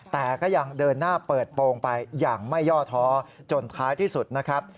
แต่ก็ยังเดินหน้าเปิดโปรงไปอย่างไม่ย่อท้อจนท้ายที่สุดนะครับ